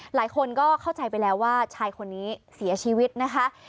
หลายคนก็เข้าใจไปแล้วว่าชายคนนี้เสียชีวิตนะคะ